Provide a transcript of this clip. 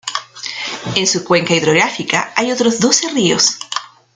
En su cuenca hidrográfica hay otros doce ríos.